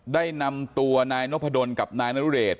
ได้นำตัวนายนพดลกับนายนรุเดช